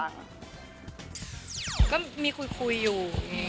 ก็มีคุยอยู่